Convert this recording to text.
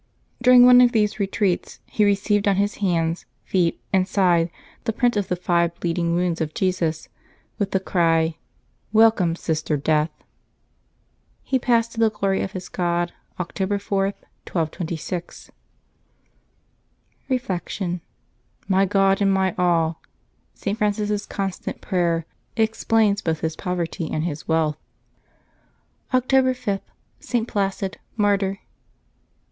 During one of these retreats he received on his hands, feet, and side the print of the five bleeding wounds of Jesus. With the cry, " Welcome, sister Death," he passed to the glory of his God October 4, 1226. Reflection. — ^"My God and my all," St. Francis' con stant prayer, explains both his poverty and his wealth. 330 LIVES OF THE SAINTS [Octobeb 6 October 5. ST. PLACID, Martyr.